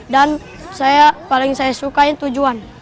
dan paling saya sukain tujuan